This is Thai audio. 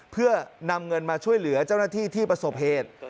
เพื่อนำเงินมาช่วยเหลือเจ้าหน้าที่ที่ประสบเหตุ